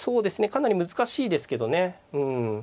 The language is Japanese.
かなり難しいですけどね。